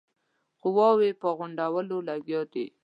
قواوو په غونډولو لګیا دی.